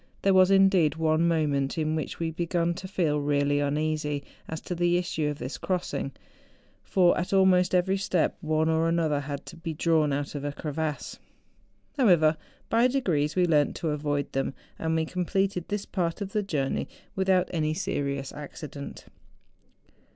There was, indeed, one mo¬ ment in which we began to feel really uneasy as to the issue of this crossing; for at almost every step one or another had to be drawn out of a crevasse. However, by degrees, we learnt to avoid them, and we completed this part of the journey without any serious accident.